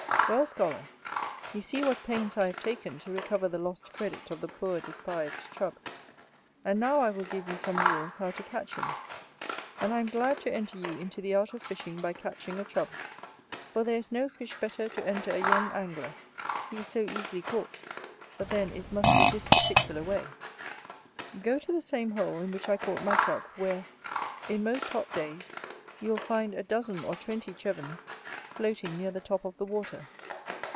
Well, scholar, you see what pains I have taken to recover the lost credit of the poor despised Chub. And now I will give you some rules how to catch him: and I am glad to enter you into the art of fishing by catching a Chub, for there is no fish better to enter a young Angler, he is so easily caught, but then it must be this particular way: Go to the same hole in which I caught my Chub, where, in most hot days, you will find a dozen or twenty Chevens floating near the top of the water.